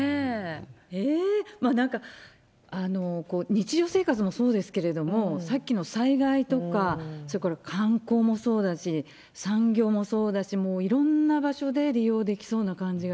えー、なんか、日常生活もそうですけれども、さっきの災害とか、それから観光もそうだし、産業もそうだし、もういろんな場所で利用できそうな感じが。